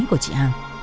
của chị hằng